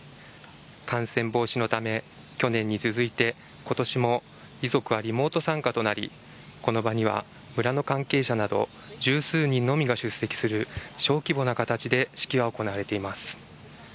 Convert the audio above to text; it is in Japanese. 感染防止のため、去年に続いて今年も遺族はリモート参加となり、この場には村の関係者など十数人のみが出席する小規模な形で式は行われています。